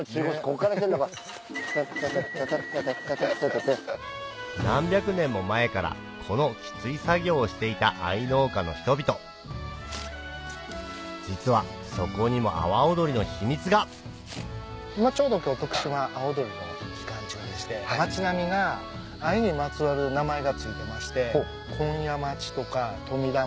タッタタタタッタタタ何百年も前からこのきつい作業をしていた藍農家の人々実はそこにも阿波おどりの秘密がちょうど今日徳島阿波おどりの期間中でして。とか名前が付いてまして。